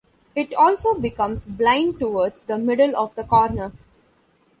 It also becomes blind towards the middle of the corner.